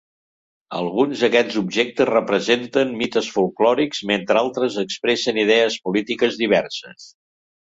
Alguns d'aquests objectes representen mites folklòrics mentre altres expressen idees polítiques diverses.